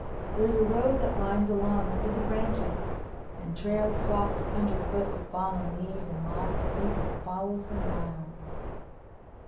There's a road that winds along under the branches, and trails, soft under foot with fallen leaves and moss, that you can follow for miles.